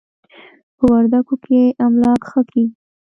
په وردکو کې املاک ښه کېږي.